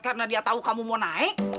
karena dia tau kamu mau naik